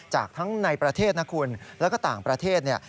จากทั้งในประเทศนะคุณแล้วก็ต่างประเทศเนี่ย